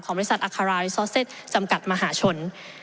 ของบริษัทอัครราชจำกัดมหาชน